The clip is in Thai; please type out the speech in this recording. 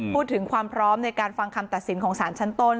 พูดถึงความพร้อมในการฟังคำตัดสินของสารชั้นต้น